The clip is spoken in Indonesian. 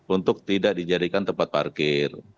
untuk tidak dijadikan tempat parkir